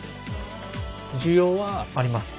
需要は？あります。